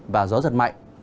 và gió giật mạnh